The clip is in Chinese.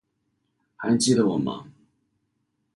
还记得我吗？